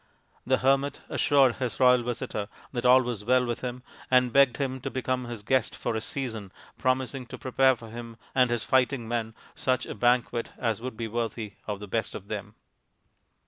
The hermit assured his royal visitor that all was well with him, and begged him to become his guest for a season, promising to prepare for him and his fighting men such a banquet as would be worthy of the best of them.